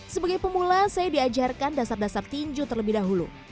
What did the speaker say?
sebagai pemula saya diajarkan dasar dasar tinju terlebih dahulu